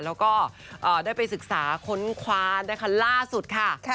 แล้วก็ได้ไปศึกษาค้นคว้านะคะล่าสุดค่ะ